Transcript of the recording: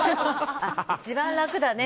一番、楽だね。